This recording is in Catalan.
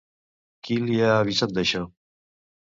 Qui li ha avisat d'això?